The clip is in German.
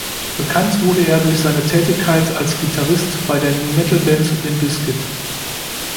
Bekannt wurde er durch seine Tätigkeit als Gitarrist bei der Nu-Metal-Band Limp Bizkit.